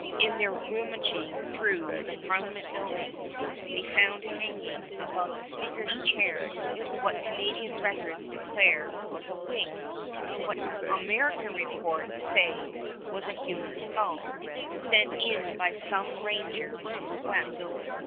In their rummaging through the Parliament buildings they found hanging above the Speaker's chair what Canadian records declare was a wig, what American reports say was a human scalp sent in by some ranger from the west.